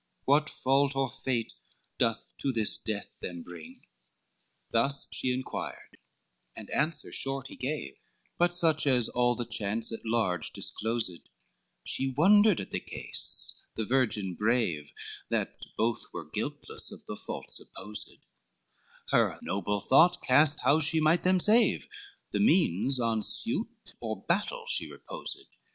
What fault or fare doth to this death them bring?" XLIV Thus she inquired, and answer short he gave, But such as all the chance at large disclosed, She wondered at the case, the virgin brave, That both were guiltless of the fault supposed, Her noble thought cast how she might them save, The means on suit or battle she reposed.